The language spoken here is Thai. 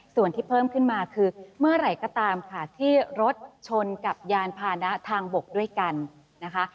ส่วนที่เพิ่มขึ้นมาคือเมื่อไหร่ก็ตามค่ะที่รถชนกับยานพานะทางบกด้วยกันนะคะ